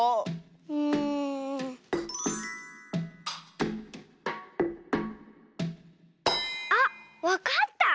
うん。あっわかった！